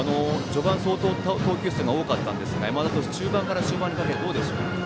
序盤、相当投球数が多かったんですが山田投手、中盤から終盤にかけてどうでしょう。